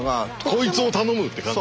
こいつを頼むって感じ。